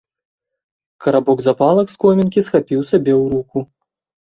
Карабок запалак з комінкі схапіў сабе ў руку.